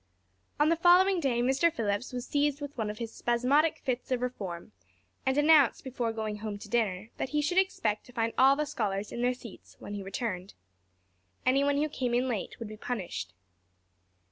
On the following day Mr. Phillips was seized with one of his spasmodic fits of reform and announced before going home to dinner, that he should expect to find all the scholars in their seats when he returned. Anyone who came in late would be punished.